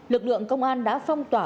lực lượng công an đã phong tỏa